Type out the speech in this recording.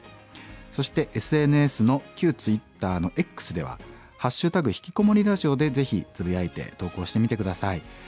そしてＳＮＳの旧ＴｗｉｔｔｅｒのＸでは「＃ひきこもりラジオ」でぜひつぶやいて投稿してみて下さい。